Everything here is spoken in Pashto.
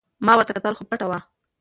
ما ورته کتل خو پټه وه.